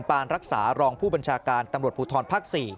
ปานรักษารองผู้บัญชาการตำรวจภูทรภาค๔